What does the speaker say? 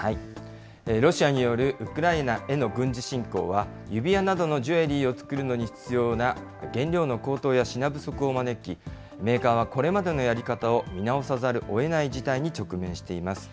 ロシアによるウクライナへの軍事侵攻は、指輪などのジュエリーを作るのに必要な原料の高騰や品不足を招き、メーカーはこれまでのやり方を見直さざるをえない事態に直面しています。